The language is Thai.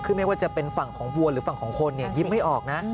คือไม่ว่าจะเป็นฝั่งของวัวหรือฝั่งของคนยิ้มไม่ออกนะ